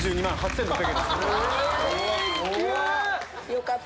よかった！